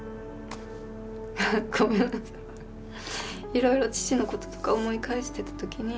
いろいろ父のこととか思い返してた時に